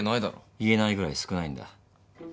言えないぐらい少ないんだ？